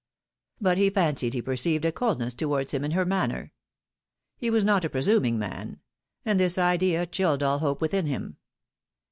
But he fancied he per ceived a coldness towards him in her manner. He was not a presuming man ; and this idea chilled all hope within him